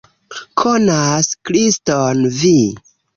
Konas Kriston vi!